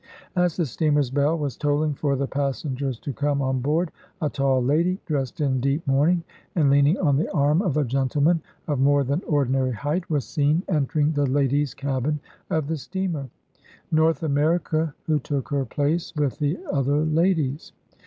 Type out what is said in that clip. As the steamer's bell was tolling for the passengers to come on board, a tall lady, dressed in deep mourning, and leaning on the arm of a gentleman of more than ordinary height, was seen en tering the ladies' cabin of the steamer "North Ameri ca," who took her place with the other ladies.